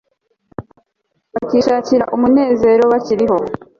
bakishakira umunezero bakiriho